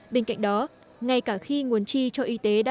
bên cạnh đó ngay cả khi nguồn chi cho y tế đạt